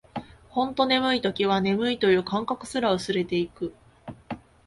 ほんと眠い時は、眠いという感覚すら薄れていく